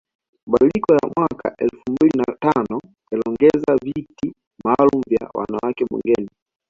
Mabadiliko ya mwaka elfu mbili na tano yaliongeza viti maalum vya wanawake bungeni